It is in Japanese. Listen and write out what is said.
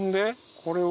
これを。